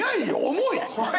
重い！